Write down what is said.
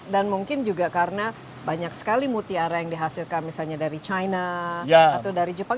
dan mungkin juga karena banyak sekali mutiara yang dihasilkan misalnya dari china atau dari jepang